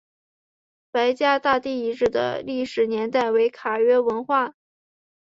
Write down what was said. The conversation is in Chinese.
白家大地遗址的历史年代为卡约文化。